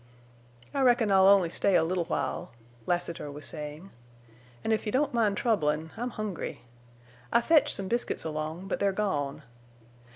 "I reckon I'll only stay a little while," Lassiter was saying. "An' if you don't mind troublin', I'm hungry. I fetched some biscuits along, but they're gone.